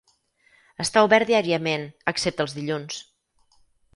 Està obert diàriament excepte els dilluns.